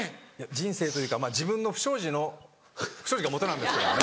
人生というか自分の不祥事がもとなんですけどもね。